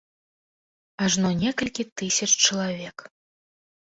Ажно некалькі тысяч чалавек.